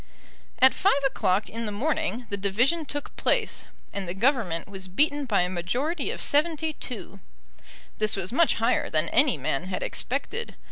At five o'clock in the morning the division took place, and the Government was beaten by a majority of 72. This was much higher than any man had expected.